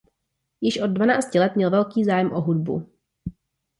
Již od dvanácti let měl velký zájem o hudbu.